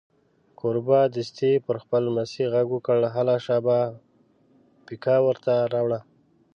کوربه دستي پر خپل لمسي غږ وکړ: هله شابه پیکه ور ته راوړه.